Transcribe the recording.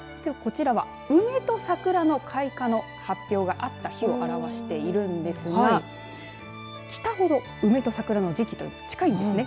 こちらは梅と桜の開花の発表があった日を表しているんですが北ほど、梅と桜の時期が近いんですね。